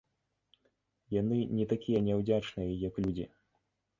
Яны не такія няўдзячныя, як людзі.